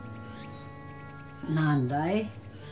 何だい？